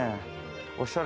おしゃれ！